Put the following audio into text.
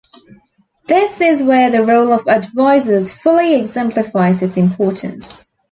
This is where the role of advisors fully exemplifies its importance.